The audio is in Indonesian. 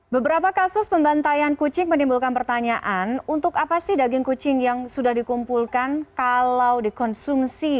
beberapa kasus pembantaian kucing menimbulkan pertanyaan untuk apa sih daging kucing yang sudah dikumpulkan kalau dikonsumsi